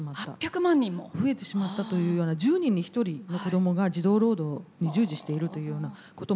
増えてしまったというような１０人に１人の子どもが児童労働に従事しているというようなこともあったりですね